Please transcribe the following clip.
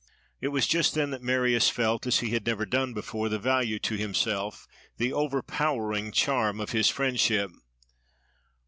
It was just then that Marius felt, as he had never done before, the value to himself, the overpowering charm, of his friendship.